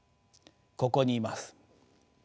ここにいます。